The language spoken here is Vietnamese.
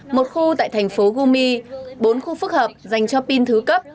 một khu tại thành phố gumi bốn khu phức hợp dành cho pin thứ cấp